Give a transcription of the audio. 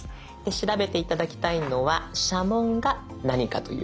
調べて頂きたいのは社紋が何かということ。